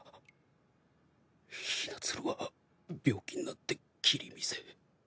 雛鶴は病気になって切見世へ。